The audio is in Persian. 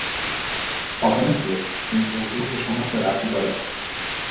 آخه رفیق، این موضوع به شما چه ربطی داره!